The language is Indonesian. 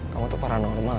kamu tuh paranormal ya